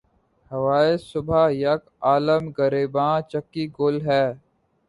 ہوائے صبح یک عالم گریباں چاکی گل ہے